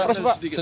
hampir tidak ada